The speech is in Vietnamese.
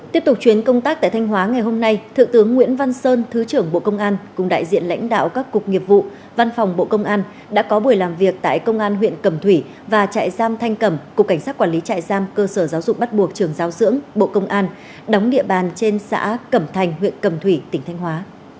tiếp tục chuyến công tác tại thanh hóa ngày hôm nay thượng tướng nguyễn văn sơn thứ trưởng bộ công an cùng đại diện lãnh đạo các cục nghiệp vụ văn phòng bộ công an đã có buổi làm việc tại công an huyện cẩm thủy và trại giam thanh cẩm cục cảnh sát quản lý trại giam cơ sở giáo dục bắt buộc trường giáo dưỡng bộ công an đóng địa bàn trên xã cẩm thành huyện cẩm thủy tỉnh thanh hóa